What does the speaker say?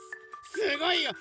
すごいよ。